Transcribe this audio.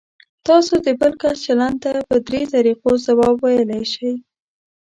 تاسو د بل کس چلند ته په درې طریقو ځواب ویلی شئ.